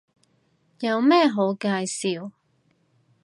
有咩好介紹